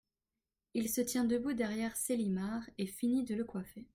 Il se tient debout derrière Célimare et finit de le coiffer.